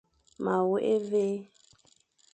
Ma wôkh évé.